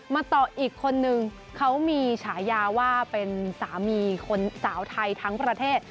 มาต่ออีกคนนึงเขามีฉายาว่าเป็นสามีคนสาวไทยทั้งประเทศ